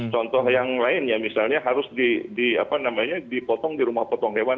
contoh yang lainnya misalnya harus dipotong di rumah potong hewan